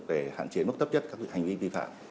để hạn chế mức thấp nhất các hành vi vi phạm